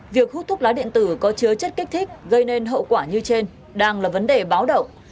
việc hút thuốc lá điện tử có chứa chất kích thích gây nên hậu quả như trên đang là vấn đề báo động